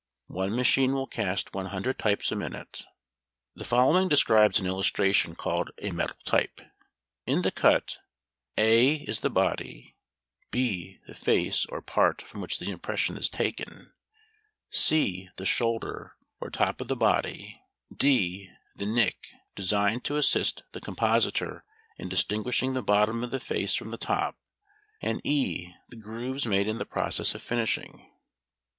One machine will cast one hundred types a minute. [Illustration: Metal Type.] In the cut, a is the body; b, the face, or part from which the impression is taken; c, the shoulder, or top of the body; d, the nick, designed to assist the compositor in distinguishing the bottom of the face from the top; and e, the groove made in the process of finishing.